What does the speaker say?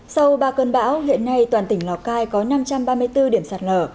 sau ba cơn bão hiện nay toàn tỉnh lào cai có năm trăm ba mươi bốn điểm sạt lở